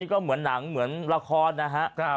ก็เหมือนหนังเหมือนละครนะฮะ